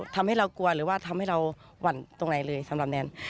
ทำให้เรากลัวหรือว่าทำให้เราหวั่นตรงไหนเลยสำหรับแนน